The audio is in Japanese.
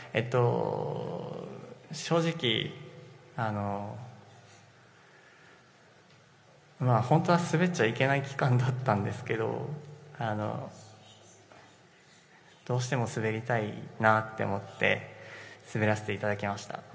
正直、本当は滑っちゃいけない期間だったんですけど、どうしても滑りたいなと思って滑らせていただきました。